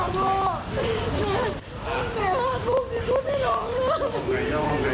แม่แม่พูดสิพูดให้น้องนะ